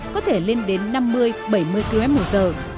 có thể lên đến năm mươi bảy mươi km một giờ